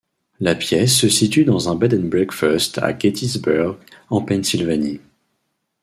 La pièce se situe dans un bed and breakfast à Gettysburg, en Pennsylvanie.